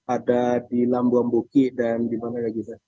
ada di lambu ambuki dan di mana lagi